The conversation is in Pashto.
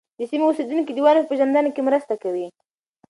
د سیمو اوسېدونکي د ونو په پېژندنه کې مرسته کوي.